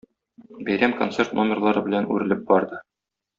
Бәйрәм концерт номерлары белән үрелеп барды.